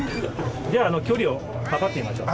じゃあ距離を測ってみましょう。